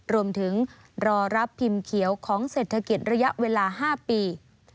รอรับพิมพ์เขียวของเศรษฐกิจระยะเวลา๕ปี